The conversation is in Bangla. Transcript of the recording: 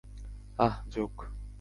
আহ, জোঁক।